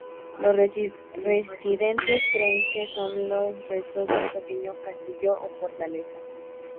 Los residentes creen que son los restos de un pequeño castillo o fortaleza.